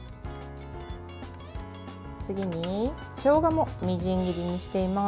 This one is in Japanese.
次にしょうがもみじん切りにしています。